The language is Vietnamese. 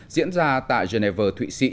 diễn ra tại geneva thụy sĩ